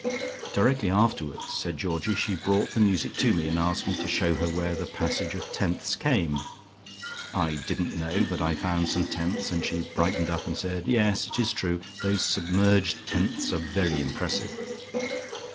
"Directly afterwards," said Georgie, "she brought the music to me, and asked me to show her where the passage of tenths came. I didn't know, but I found some tenths, and she brightened up and said 'Yes, it is true; those submerged tenths are very impressive.'